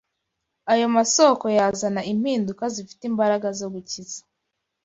Ayo masoko yazana impinduka zifite imbaraga zo gukiza